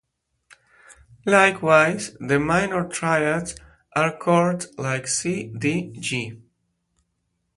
Likewise, the minor triads are chords like C-D-G.